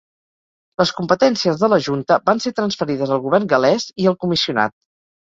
Les competències de la Junta van ser transferides al govern gal·lès i al Comissionat.